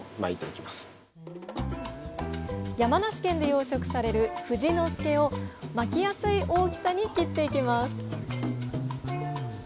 山梨県で養殖される富士の介を巻きやすい大きさに切っていきます